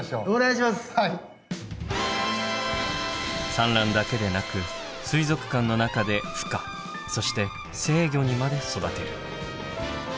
産卵だけでなく水族館の中でふ化そして成魚にまで育てる。